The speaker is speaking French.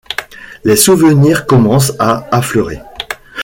Les souvenirs commencent à affleurer.